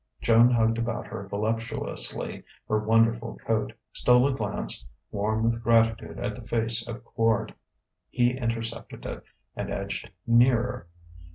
Joan hugged about her voluptuously her wonderful coat, stole a glance warm with gratitude at the face of Quard. He intercepted it, and edged nearer.